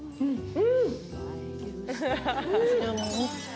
うん！